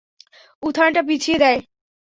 উত্থানটা পিছিয়ে দেয়।